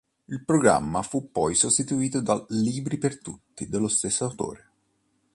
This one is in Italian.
Il programma fu poi sostituito da "Libri per tutti", dello stesso autore.